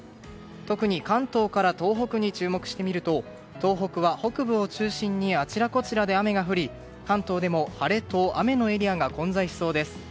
特に関東から東北に注目してみると東北は北部を中心にあちらこちらで雨が降り関東でも晴れと雨のエリアが混在しそうです。